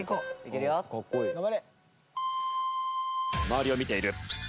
周りを見ている。